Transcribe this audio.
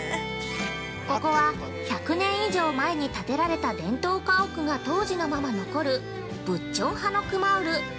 ◆ここは１００年以上前に建てられた伝統家屋が当時のまま残る北村韓屋村。